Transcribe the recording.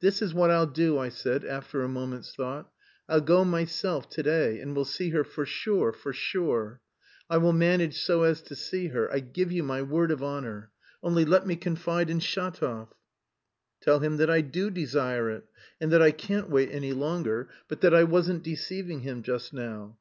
"This is what I'll do," I said, after a moment's thought. "I'll go myself to day and will see her for sure, for sure. I will manage so as to see her. I give you my word of honour. Only let me confide in Shatov." "Tell him that I do desire it, and that I can't wait any longer, but that I wasn't deceiving him just now.